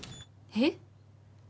えっ？